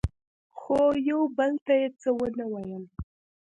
خو یو بل ته یې څه ونه ویل.